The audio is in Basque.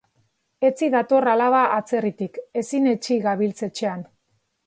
Etzi dator alaba atzerritik, ezin etsi gabiltz etxean.